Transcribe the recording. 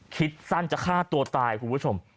คิดสั้นจะฆ่าตัวตายคุณผู้ชม